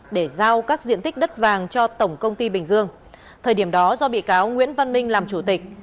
để giao các diện tích đất vàng cho tổng công ty bình dương thời điểm đó do bị cáo nguyễn văn minh làm chủ tịch